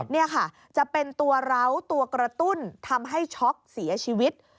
นี่ค่ะจะเป็นตัวร้าวตัวกระตุ้นทำให้ช็อกเสียชีวิต